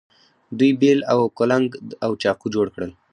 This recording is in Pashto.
دوی بیل او کلنګ او چاقو جوړ کړل.